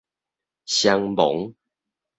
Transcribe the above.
雙亡